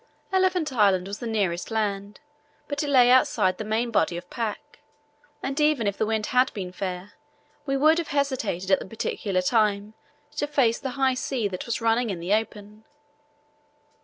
Elephant Island was the nearest land, but it lay outside the main body of pack, and even if the wind had been fair we would have hesitated at that particular time to face the high sea that was running in the open.